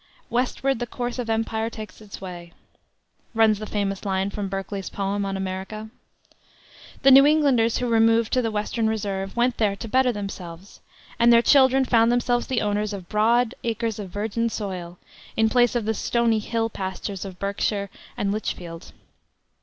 "Westward the course of empire takes its way," runs the famous line from Berkeley's poem on America. The New Englanders who removed to the Western Reserve went there to better themelves; and their children found themselves the owners of broad acres of virgin soil, in place of the stony hill pastures of Berkshire and Litchfield.